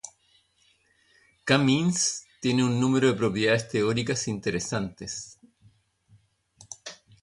K-means tiene un número de propiedades teóricas interesantes.